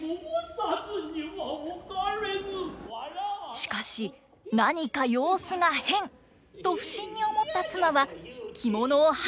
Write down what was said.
しかし何か様子が変と不審に思った妻は着物をはいでしまいます。